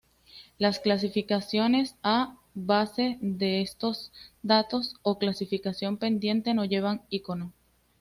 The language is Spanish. Las clasificaciones A, base de datos o clasificación pendiente no llevan icono.